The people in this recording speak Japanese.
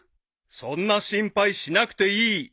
［そんな心配しなくていい］